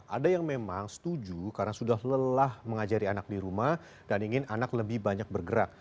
ada yang memang setuju karena sudah lelah mengajari anak di rumah dan ingin anak lebih banyak bergerak